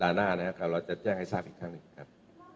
จากตลาดหน้าเราจะแจ้งให้ทราบอีกครั้งหนึ่งครับ